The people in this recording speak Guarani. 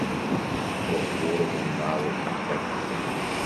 Roho romondávo ipirapire.